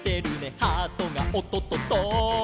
「ハートがおっとっとっと」